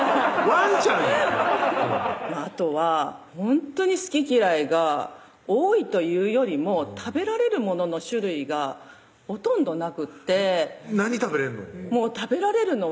ワンちゃんやんあとはほんとに好き嫌いが多いというよりも食べられるものの種類がほとんどなくって何食べれんの？